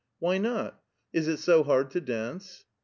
" Why not? Is it so hard to dance?